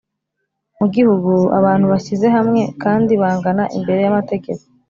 mu gihugu abantu bashyize hamwe kandi bangana imbere y' amategeko,